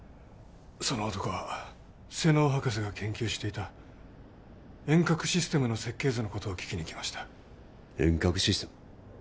その男は瀬能博士が研究していた遠隔システムの設計図のことを聞きに来ました遠隔システム？